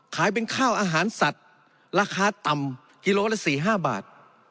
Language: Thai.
ขายเป็นข้าวอาหารสัตว์ราคาต่ำกิโลละ๔๕บาท